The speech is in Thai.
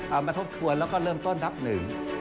มาทบทวนแล้วก็เริ่มต้นนับหนึ่ง